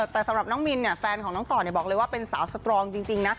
แต่สำหรับน้องมินเนี่ยแฟนของน้องต่อบอกเลยว่าเป็นสาวสตรองจริงนะ